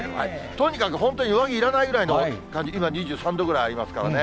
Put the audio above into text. とにかく、本当に上着いらないぐらいの感じ、今２３度ぐらいありますからね。